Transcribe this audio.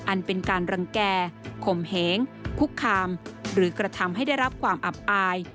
อันเป็นการรังแก่ข่มเหงคุกคามหรือกระทำให้ได้รับความอับอาย